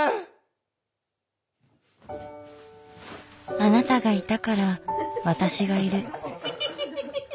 あなたがいたから私がいる。